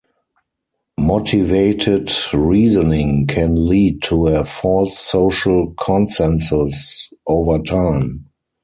Motivated reasoning can lead to a false social consensus over time.